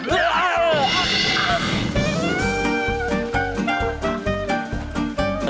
อืม